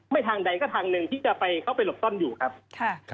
ทางใดก็ทางหนึ่งที่จะไปเข้าไปหลบซ่อนอยู่ครับค่ะ